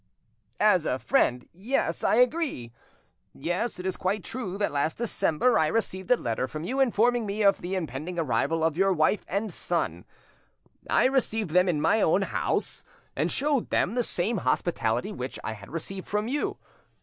"As a friend, yes, I agree. Yes, it is quite true that last December I received a letter from you informing me of the impending arrival of your wife and son. I received them in my own house, and showed them the same hospitality which I had received from you.